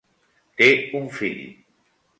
Té un fill.